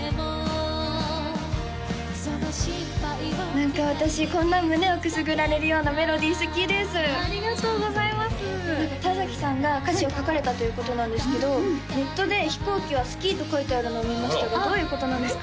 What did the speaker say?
何か私こんな胸をくすぐられるようなメロディー好きですありがとうございます田さんが歌詞を書かれたということなんですけどネットで「飛行機は好き」と書いてあるのを見ましたがどういうことなんですか？